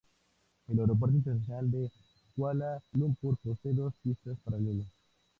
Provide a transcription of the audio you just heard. El Aeropuerto Internacional de Kuala Lumpur posee dos pistas paralelas.